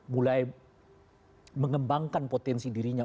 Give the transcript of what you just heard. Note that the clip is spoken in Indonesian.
mulai mengembangkan potensi dirinya